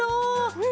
うん。